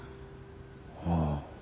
ああ。